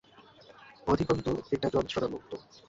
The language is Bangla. অধিকন্তু, এটা যন্ত্রণামুক্ত।